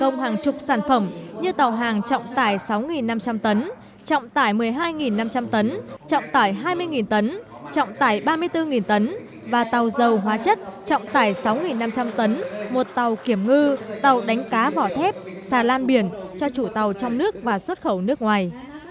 công hàng chục sản phẩm như tàu hàng trọng tải sáu năm trăm linh tấn trọng tải một mươi hai năm trăm linh tấn trọng tải hai mươi tấn trọng tải ba mươi bốn tấn và tàu dầu hóa chất trọng tải sáu năm trăm linh tấn một tàu kiểm ngư tàu đánh cá vỏ thép xà lan biển cho chủ tàu trong nước và xuất khẩu nước ngoài